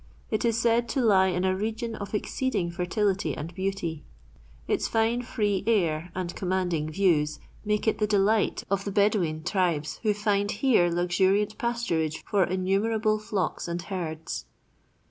It is said to lie in a region of exceeding fertility and beauty. Its fine, free air and commanding views make it the delight of the Bedaween tribes who find here luxuriant pasturage for innumerable flocks and herds.